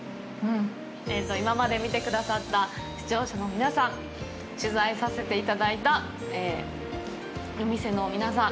今まで見てくださった視聴者の皆さん取材させていただいたお店の皆さん